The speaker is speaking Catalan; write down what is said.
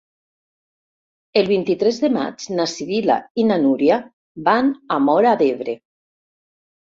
El vint-i-tres de maig na Sibil·la i na Núria van a Móra d'Ebre.